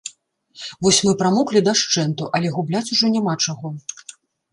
Вось мы прамоклі дашчэнту, але губляць ужо няма чаго.